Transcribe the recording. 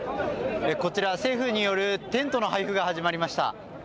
こちら、政府によるテントの配布が始まりました。